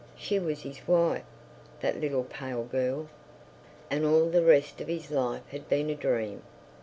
She was his wife, that little pale girl, and all the rest of his life had been a dream.